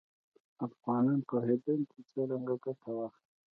افغانان پوهېدل چې څرنګه ګټه واخلي.